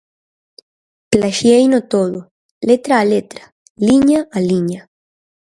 Plaxieino todo, letra a letra, liña a liña.